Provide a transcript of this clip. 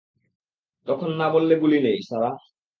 তখন না বললে গুলি নেই, সারা!